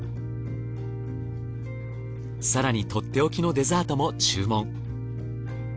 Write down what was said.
更にとっておきのデザートも注文。